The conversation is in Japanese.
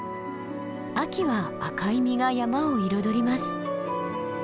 秋は赤い実が山を彩ります。